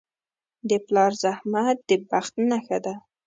د پلار خدمت د بخت نښه ده.